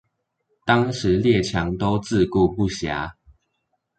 當時列強都自顧不暇